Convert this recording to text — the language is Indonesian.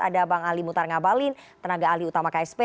ada bang ali mutar ngabalin tenaga ahli utama ksp